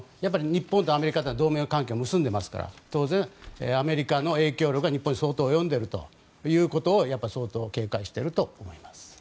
日本とアメリカは同盟関係を結んでいますから当然、アメリカの影響力は日本に相当及んでいるということをやっぱり相当警戒していると思います。